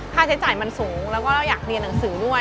ค่าใช้จ่ายมันสูงแล้วก็เราอยากเรียนหนังสือด้วย